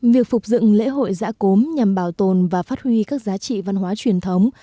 việc phục dựng lễ hội giã cốm nhằm bảo tồn và phát huy các giá trị văn hóa truyền thống